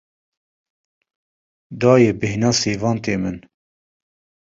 Dayê bêhna sêvan tê min.